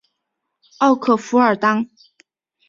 奥克弗尔当。